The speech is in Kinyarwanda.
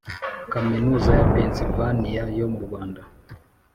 Kaminuza ya Pennsyvania yo mu Rwanda